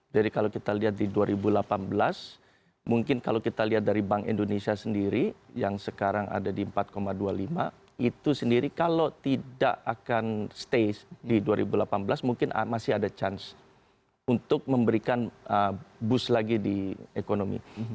jadi kalau kita lihat di dua ribu delapan belas mungkin kalau kita lihat dari bank indonesia sendiri yang sekarang ada di empat dua puluh lima itu sendiri kalau tidak akan stay di dua ribu delapan belas mungkin masih ada chance untuk memberikan boost lagi di ekonomi